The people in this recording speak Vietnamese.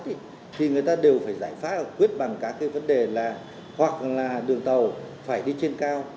thì người ta đều phải giải pháp quyết bằng các cái vấn đề là hoặc là đường tàu phải đi trên cao